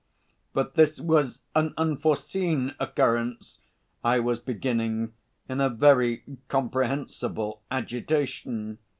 "But this was an unforeseen occurrence," I was beginning, in very comprehensible agitation.